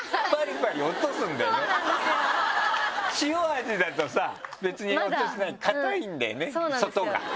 塩味だとさ別に音しない硬いんだよね外が。